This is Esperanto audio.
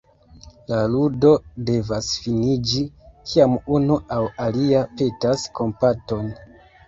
La ludo devas finiĝi, kiam unu aŭ alia petas kompaton.